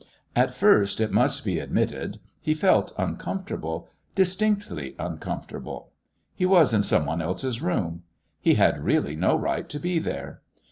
At first, it must be admitted, he felt uncomfortable distinctly uncomfortable. He was in some one else's room. He had really no right to be there.